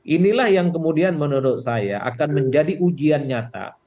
inilah yang kemudian menurut saya akan menjadi ujian nyata